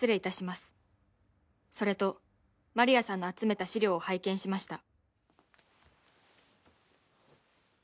「それと丸谷さんの集めた資料を拝見しました」